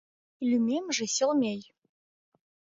— Лӱмемже Селмей...